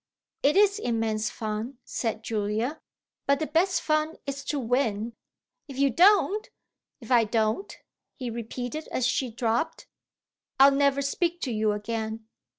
"It is immense fun," said Julia. "But the best fun is to win. If you don't !" "If I don't?" he repeated as she dropped. "I'll never speak to you again."